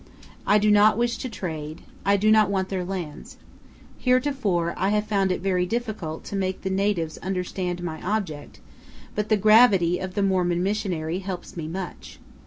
I do not wish to trade; do not want their lands. Heretofore I have found it very difficult to make the natives understand my object, but the gravity of the Mormon missionary helps me much.